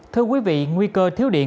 thưa quý vị nguy cơ thiếu điện